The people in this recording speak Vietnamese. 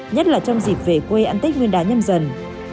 nhất là trong dịp về quê ăn tết nguyên đán nhâm dần